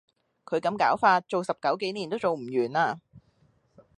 佢咁攪法，做十九幾年都做唔完啦